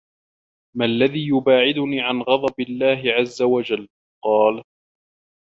مَا الَّذِي يُبَاعِدُنِي عَنْ غَضَبِ اللَّهِ عَزَّ وَجَلَّ ؟ قَالَ